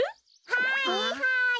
はいはい！